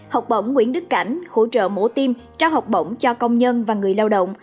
học bổng nguyễn đức cảnh hỗ trợ mổ tim trao học bổng cho công nhân và người lao động